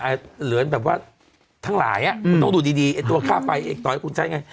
เหลือนแบบว่าทั้งหลายอ่ะคุณต้องดูดีดีไอ้ตัวค่าไฟเองต่อให้คุณใช้ไง